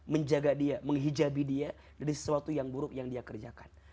menjaga dia menghijabi dia dari sesuatu yang buruk yang dia kerjakan